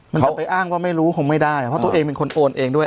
จะไปอ้างว่าไม่รู้คงไม่ได้เพราะตัวเองเป็นคนโอนเองด้วย